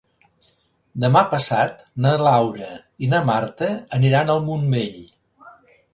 Demà passat na Laura i na Marta aniran al Montmell.